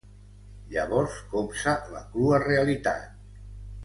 Llavors copsa la crua realitat.